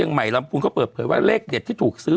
เป็นการกระตุ้นการไหลเวียนของเลือด